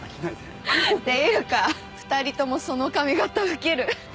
っていうか２人ともその髪形ウケる。